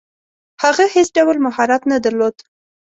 هغه هیڅ ډول مهارت نه درلود.